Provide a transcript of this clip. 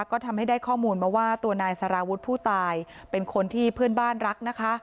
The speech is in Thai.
ก็ทำให้ได้ข้อมูลมาว่าตัวนายสารวุฒิผู้ตายเป็นคนที่เพื่อนบ้านรักนะคะ